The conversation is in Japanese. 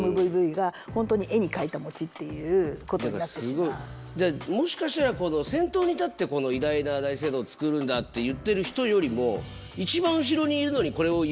なのでじゃあもしかしたらこの先頭に立ってこの偉大な大聖堂造るんだって言ってる人よりもすごいと思います。